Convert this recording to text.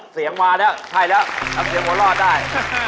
เสียงมาแล้วใช่แล้วเอาเสียงหัวรอดได้